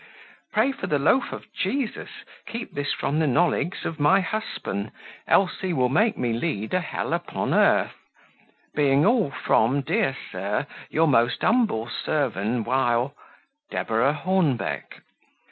Prey for the loaf of Geesus keep this from the nolegs of my hussban, ells he will make me leed a hell upon urth. Being all from, deer Sur, your most umbell servan wile "Deborah Hornbeck."